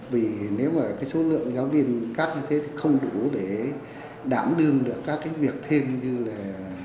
vì nếu mà cái số lượng giáo viên cắt như thế thì không đủ để đảm đương được các cái việc thêm như là